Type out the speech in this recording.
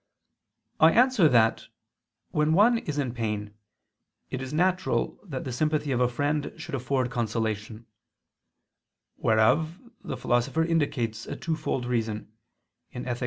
I answer that, When one is in pain, it is natural that the sympathy of a friend should afford consolation: whereof the Philosopher indicates a twofold reason (Ethic.